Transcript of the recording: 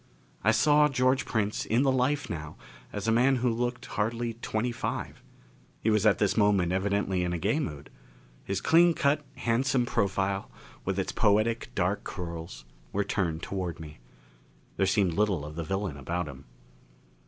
I saw George Prince in the life now as a man who looked hardly twenty five. He was at this moment evidently in a gay mood. His clean cut, handsome profile, with its poetic dark curls, was turned toward me. There seemed little of the villain about him.